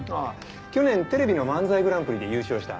去年テレビの漫才グランプリで優勝した。